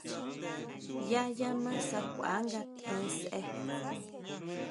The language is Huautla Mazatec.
Yá ya ma sakʼua nga tjen sʼe.